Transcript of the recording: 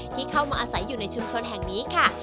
ที่เข้ามาอาศัยอยู่ในชุมชนแห่งนี้ค่ะ